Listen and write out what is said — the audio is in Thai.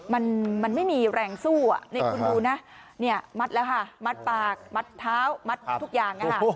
มัดปากมัดเยาะมัดทุกอย่าง